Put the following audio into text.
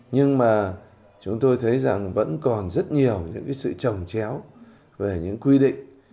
nhưng mà chúng tôi thấy rằng vẫn còn rất nhiều những sự trồng chéo về những quy định